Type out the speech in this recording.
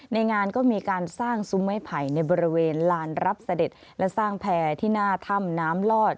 ในงานก็มีการสร้างซุ้มไม้ไผ่ในบริเวณลานรับเสด็จและสร้างแพรที่หน้าถ้ำน้ำลอด